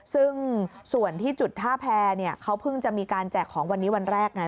ซึ่งส่วนที่จุดท่าแพรเขาเพิ่งจะมีการแจกของวันนี้วันแรกไง